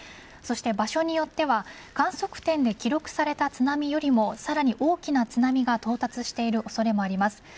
そして場所によっては観測点で記録された津波よりもさらに大きな津波が到達している恐れがあります。